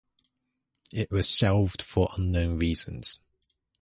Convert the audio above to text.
It was shelved for unknown reasons.